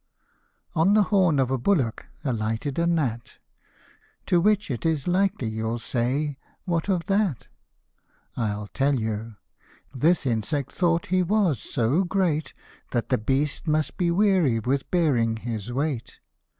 ON the horn of a bullock alighted a gnat ; To which it is likely you'll say " What of that ?" I'll tell you : this insect thought he was so great, That the beast must be weary with bearing his weight.